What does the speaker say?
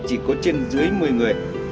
chỉ có trên dưới một mươi người